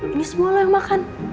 ini semua lah yang makan